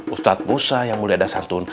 ustadz musa yang mulia dasantun